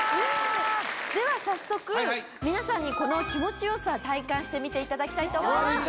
では早速皆さんにこの気持ち良さ体感してみていただきたいと思います。